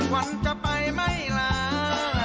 วันจะไปไม่ลา